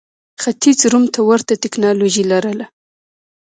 ختیځ روم ته ورته ټکنالوژي لرله.